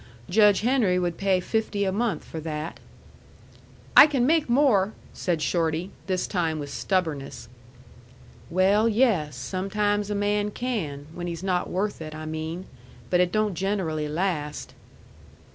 Judge Henry would pay fifty a month for that." "I can make more," said Shorty, this time with stubbornness. "Well, yes. Sometimes a man can when he's not worth it, I mean. But it don't generally last."